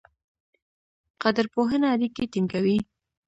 قدرپوهنه اړیکې ټینګوي.